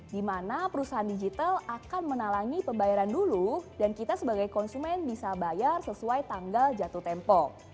di mana perusahaan digital akan menalangi pembayaran dulu dan kita sebagai konsumen bisa bayar sesuai tanggal jatuh tempo